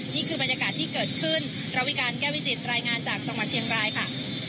นี่คือบรรยากาศที่เกิดขึ้นระวิการแก้วิจิตรายงานจากจังหวัดเชียงรายค่ะ